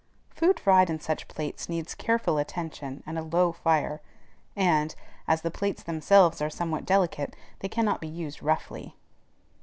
Food fried in such plates needs careful attention and a low fire; and, as the plates themselves are somewhat delicate, they cannot be used roughly.